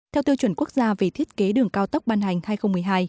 theo tiêu chuẩn quốc gia về thiết kế đường cao tốc ban hành hai nghìn một mươi hai